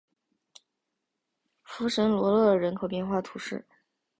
弗什罗勒人口变化图示